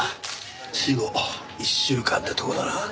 死後１週間ってとこだな。